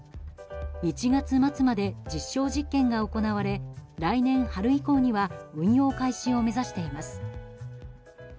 １月末まで実証実験が行われ来年春以降には運用開始を目指しています。